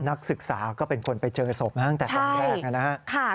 นักศึกษาก็เป็นคนไปเจอกับศพมาตั้งแต่ตอนแรก